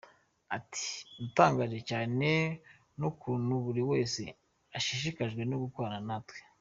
Ati “Natangajwe cyane n’ukuntu buri wese ashishikajwe no gukorana natwe.